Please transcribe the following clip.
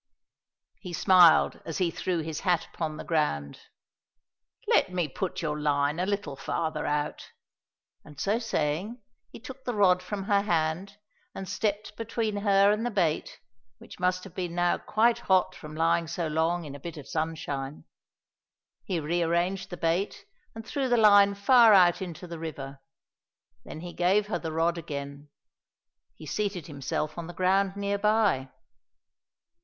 He smiled as he threw his hat upon the ground. "Let me put your line a little farther out." And so saying, he took the rod from her hand and stepped between her and the bait, which must have been now quite hot from lying so long in a bit of sunshine. He rearranged the bait and threw the line far out into the river. Then he gave her the rod again. He seated himself on the ground near by.